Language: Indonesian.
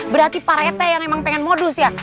berarti pak rtt yang emang pengen modus ya